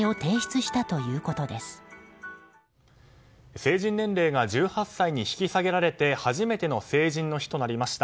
成人年齢が１８歳に引き下げられて初めての成人の日となりました。